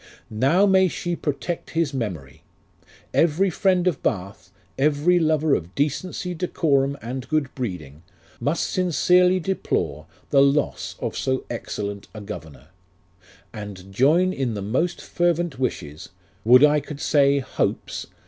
Now may she protect his memory ! Every friend of Bath, Every lover of decency, decorum, and good hreeding, Must sincerely deplore The loss of so excellent a governor ; And join in the most fervent wishes (would I could say hopes